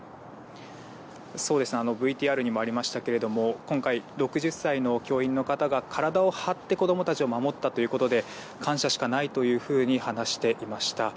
ＶＴＲにもありましたが今回、６０歳の教員の方が体を張って子供たちを守ったということで感謝しかないというふうに話していました。